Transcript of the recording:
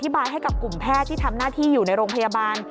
บายให้กับกลุ่มแพทย์ที่ทำหน้าที่อยู่ในโรงพยาบาล